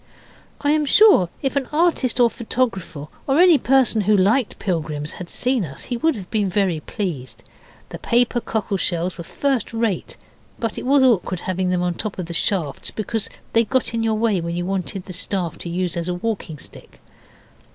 I am sure if an artist or a photographer, or any person who liked pilgrims, had seen us he would have been very pleased. The paper cockle shells were first rate, but it was awkward having them on the top of the staffs, because they got in your way when you wanted the staff to use as a walking stick.